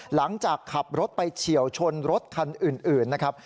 หลังจากขับรถไปเฉียวชนรถคันอื่นนะครับ